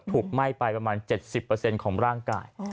ไหม้ไปประมาณ๗๐ของร่างกาย